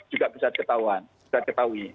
juga bisa ketahui